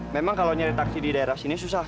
memang kalau nyari taksi di daerah sini susah